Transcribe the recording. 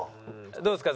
どうですか？